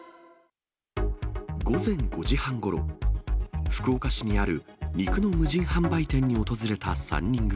午前５時半ごろ、福岡市にある肉の無人販売店に訪れた３人組。